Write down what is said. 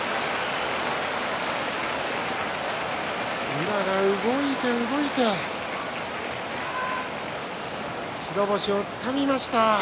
宇良が動いて動いて白星をつかみました。